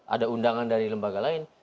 ada undangan dari lembaga lain